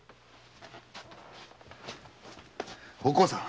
お甲さん。